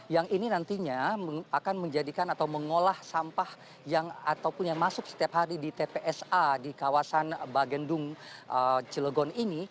yang ini nantinya akan menjadikan atau mengolah sampah yang ataupun yang masuk setiap hari di tpsa di kawasan bagendung cilegon ini